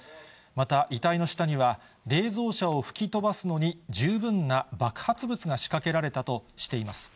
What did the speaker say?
また遺体の下には、冷蔵車を吹き飛ばすのに十分な爆発物が仕掛けられたとしています。